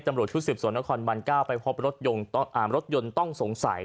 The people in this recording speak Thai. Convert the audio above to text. ตำรวจชุดสืบสวนนครบาน๙ไปพบรถยนต์ต้องสงสัย